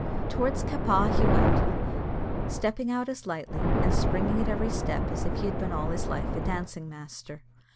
Towards Cappagh he went, stepping out as lightly, and springing up at every step as if he had been all his life a dancing master.